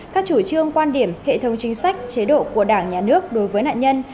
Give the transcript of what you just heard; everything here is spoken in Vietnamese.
các chủ trương quan điểm hệ thống chính sách chế độ của đảng nhà nước đối với nạn nhân